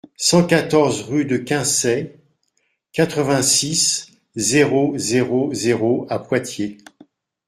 cent quatorze rue de Quinçay, quatre-vingt-six, zéro zéro zéro à Poitiers